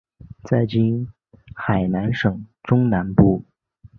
在今海南省中南部。